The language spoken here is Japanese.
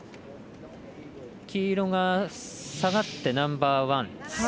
黄色が下がってナンバーワン。